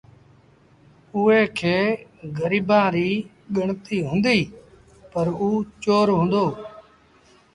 اُئي کي گريبآنٚ ريٚ ڳڻتيٚ هُنٚديٚ پر اوٚ چور هُݩدو۔